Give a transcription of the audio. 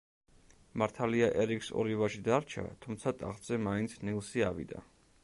მართალია ერიკს ორი ვაჟი დარჩა, თუმცა ტახტზე მაინც ნილსი ავიდა.